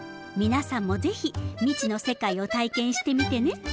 皆さんも是非未知の世界を体験してみてね。